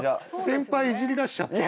先輩いじりだしちゃった。